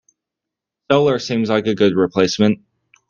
Solar seems like a good replacement.